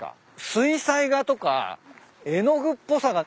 水彩画とか絵の具っぽさが。